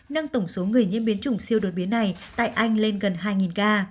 nâng tổng số người nhiễm biến chủng siêu đột biến này tại anh lên gần hai ca